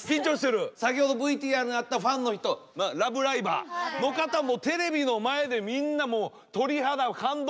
先ほどＶＴＲにあったファンの人ラブライバーの方もテレビの前でみんなもう鳥肌感動！